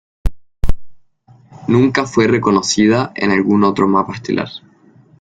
Nunca fue reconocida en algún otro mapa estelar.